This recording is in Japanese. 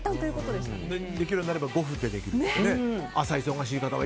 できるようになれば５分でできると。